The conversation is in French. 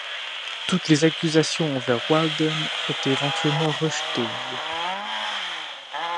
Toutes les accusations envers Walden étaient éventuellement rejetées.